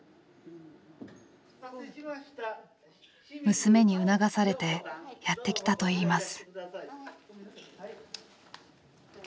娘に促されてやって来たといいます。